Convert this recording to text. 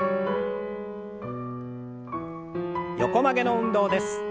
横曲げの運動です。